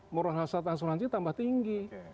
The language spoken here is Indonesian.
murah asat asuransi tambah tinggi